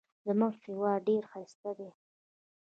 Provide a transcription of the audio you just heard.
زموږ هیواد ډېر ښایسته دی.